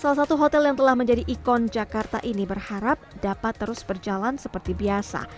salah satu hotel yang telah menjadi ikon jakarta ini berharap dapat terus berjalan seperti biasa